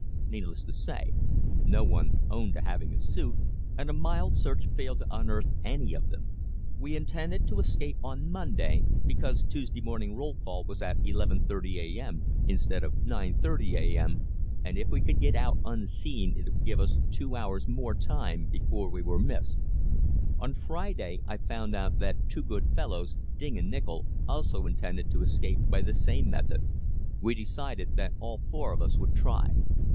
Needless to say, no one owned to having a suit, and a mild search failed to unearth any of them. We intended to escape on Monday, because Tuesday morning roll call was at 11.30 a.m. instead of 9.30 a.m., and if we could get out unseen it would give us two hours more time before we were missed. On Friday I found out that two good fellows, Ding and Nichol, also intended to escape by the same method. We decided that all four of us would try.